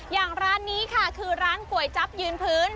อย่างร้านนี้ค่ะคือร้านก๋วยจั๊บยืนพื้น